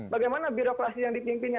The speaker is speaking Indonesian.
bagaimana birokrasi yang dipimpinnya